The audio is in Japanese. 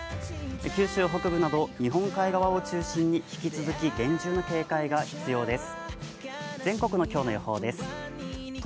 九州北部など日本海側を中心に引き続き厳重な警戒が必要です。